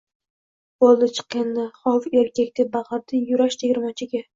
Boʻldi, chiq endi, hov, erkak! – deb baqirdi Yurash tegirmonchiga.